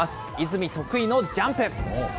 泉、得意のジャンプ。